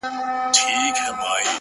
تهٔ وا پسرلی يې پهٔ اوربل کې دی